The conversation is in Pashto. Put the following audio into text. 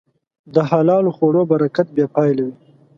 د حلال خوړو برکت بېپایله وي.